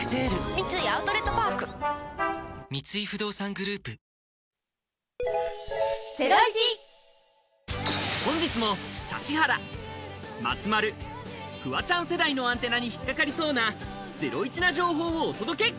三井アウトレットパーク三井不動産グループ本日も指原、松丸、フワちゃん世代のアンテナに引っ掛かりそうなゼロイチな情報をお届け！